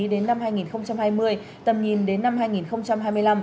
đến năm hai nghìn hai mươi tầm nhìn đến năm hai nghìn hai mươi năm